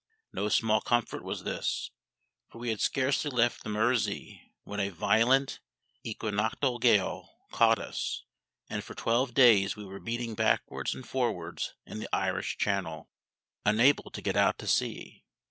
No small comfort was this; for we had scarcely left the Mersey when a violent equinoctial gale caught us, and for twelve days we were beating backwards and forwards in the Irish Channel, unable to get out to sea.